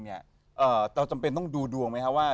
เราจำเป็นต้องดูดวงไหมครับว่า